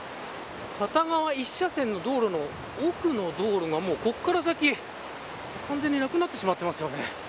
片側１車線の道路の奥の道路が、ここから先完全になくなってしまってますよね。